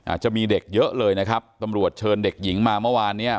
อาจจะมีเด็กเยอะเลยนะครับตำรวจเชิญเด็กหญิงมาเมื่อวานเนี้ย